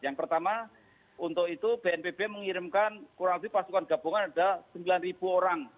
yang pertama untuk itu bnpb mengirimkan kurang lebih pasukan gabungan ada sembilan orang